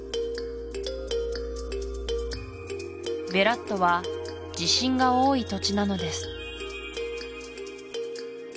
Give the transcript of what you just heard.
ベラットは地震が多い土地なのです